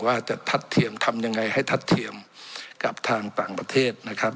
ว่าจะทัดเทียมทำยังไงให้ทัดเทียมกับทางต่างประเทศนะครับ